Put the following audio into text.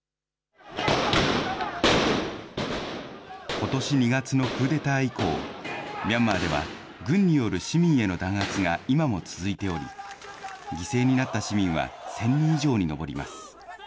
ことし２月のクーデター以降、ミャンマーでは軍による市民への弾圧が、今も続いており、犠牲になった市民は１０００人以上に上ります。